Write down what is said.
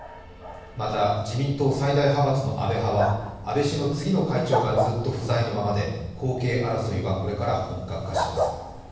また、自民党最大派閥の安倍派は、安倍氏の次の会長がずっと不在のままで、後継争いはこれから本格化します。